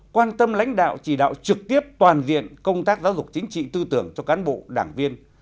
quan tâm lãnh đạo chỉ đạo trực tiếp toàn diện công tác giáo dục chính trị tư tưởng cho cán bộ đảng viên